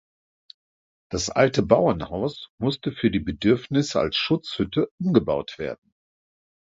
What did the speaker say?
Das alte Bauernhaus musste für die Bedürfnisse als Schutzhütte umgebaut werden.